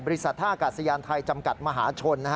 ท่าอากาศยานไทยจำกัดมหาชน